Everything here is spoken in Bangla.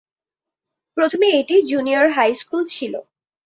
প্রথমে এটি জুনিয়র হাই স্কুল ছিল।